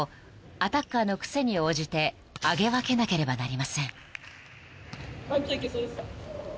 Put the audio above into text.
アタッカーの癖に応じて上げ分けなければなりません］